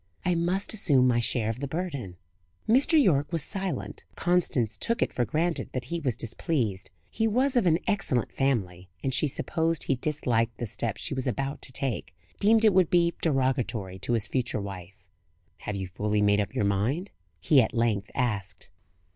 I must assume my share of the burden." Mr. Yorke was silent. Constance took it for granted that he was displeased. He was of an excellent family, and she supposed he disliked the step she was about to take deemed it would be derogatory to his future wife. "Have you fully made up your mind?" he at length asked.